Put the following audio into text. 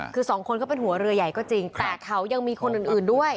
คือสองคนก็เป็นหัวเรือใหญ่ก็จริงแต่เขายังมีคนอื่นด้วย